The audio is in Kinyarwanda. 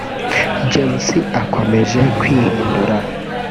James akomeje kwihindura